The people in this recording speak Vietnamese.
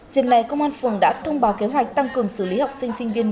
dịp này công an phường đã thông báo kế hoạch tăng cường xử lý học sinh sinh viên